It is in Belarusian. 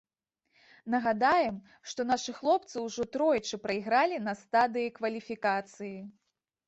Нагадаем, што нашы хлопцы ўжо тройчы прайгралі на стадыі кваліфікацыі.